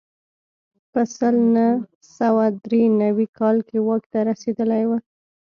په سل نه سوه درې نوي کال کې واک ته رسېدلی و.